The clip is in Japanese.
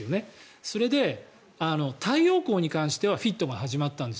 それで、太陽光に関してはフィットが始まったんです。